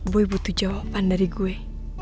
gue butuh jawaban dari gue